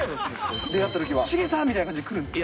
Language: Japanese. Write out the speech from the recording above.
出会ったときはジミーさんみたいな感じで来るんですか。